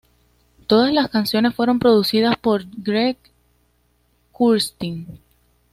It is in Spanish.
Todas las canciones fueron producidas por Greg Kurstin.